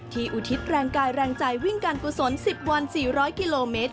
อุทิศแรงกายแรงใจวิ่งการกุศล๑๐วัน๔๐๐กิโลเมตร